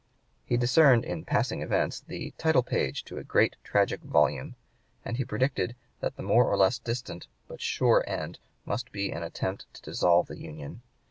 He discerned in passing events the "title page to a great tragic volume;" and he predicted that the more or less distant but sure end must be an attempt to dissolve the Union.